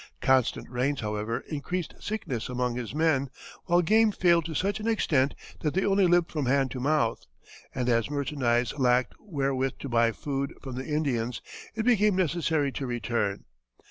Constant rains, however, increased sickness among his men, while game failed to such an extent that they only lived from hand to mouth; and as merchandise lacked wherewith to buy food from the Indians, it became necessary to return.